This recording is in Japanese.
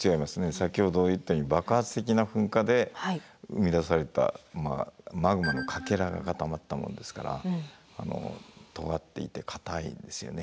先ほど言ったように爆発的な噴火で生み出されたマグマのかけらが固まったものですからとがっていて固いんですよね。